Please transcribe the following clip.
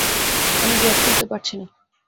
আমি জট খুলতে পারছি না।